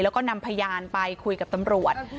แล้วก็นำพยานไปคุยกับตำรวจ